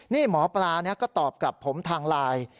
นี่หมอปลาก็ตอบกลับผมทางไลน์